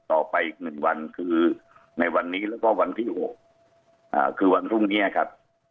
ต่อไปอีก๑วันคือในวันนี้แล้วก็วันที่๖คือวันพรุ่งนี้ครับ